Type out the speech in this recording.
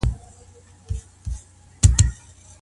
ستاسو رب د چا نيتونه قبلوي؟